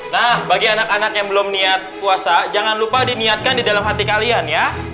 nah bagi anak anak yang belum niat puasa jangan lupa diniatkan di dalam hati kalian ya